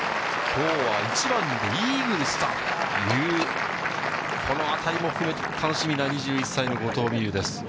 きょうは１番でイーグルスタートという、この当たりも含めて楽しみな２１歳の後藤未有です。